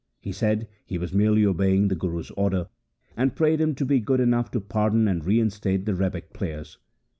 He said he was merely obeying the Guru's order, and prayed him to be good enough to pardon and reinstate the rebeck players.